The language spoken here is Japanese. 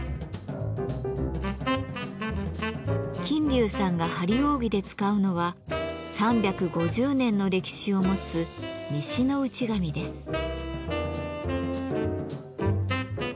琴柳さんが張り扇で使うのは３５０年の歴史を持つ「西の内紙」です。